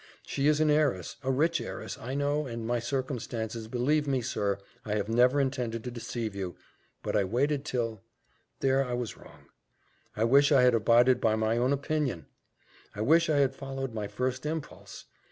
She is an heiress, a rich heiress, I know, and my circumstances Believe me, sir, I have never intended to deceive you; but I waited till There I was wrong. I wish I had abided by my own opinion! I wish I had followed my first impulse!